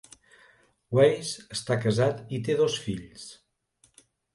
Weiss està casat i té dos fills.